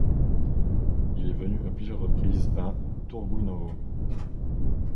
Il est venu à plusieurs reprises à Tourguinovo.